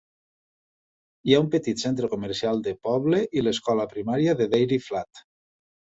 Hi ha un petit centre comercial de poble i l'Escola primària de Dairy Flat.